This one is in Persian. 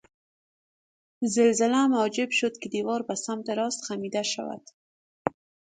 زلزله موجب شد که دیوار به سمت راست خمیده شود.